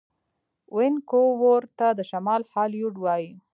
وینکوور ته د شمال هالیوډ وايي.